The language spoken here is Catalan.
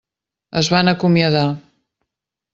Es van acomiadar.